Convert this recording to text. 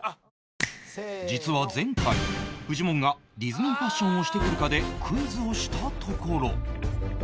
実は前回フジモンがディズニーファッションをしてくるかでクイズをしたところ